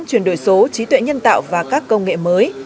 chuyển đổi số trí tuệ nhân tạo và các công nghệ mới